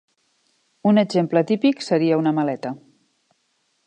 Un exemple típic seria una maleta.